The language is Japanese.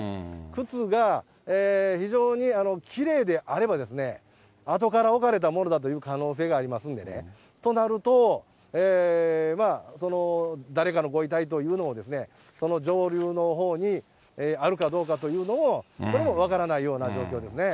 靴が非常にきれいであれば、後から置かれたものだという可能性がありますんでね、となると、誰かのご遺体というのを、その上流のほうにあるかどうかというのも、これも分からないような状況ですね。